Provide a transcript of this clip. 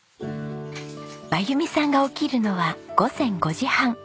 真由美さんが起きるのは午前５時半。